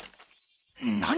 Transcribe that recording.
何？